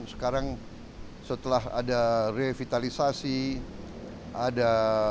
sekarang setelah ada revitalisasi ada